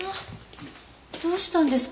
どうしたんですか？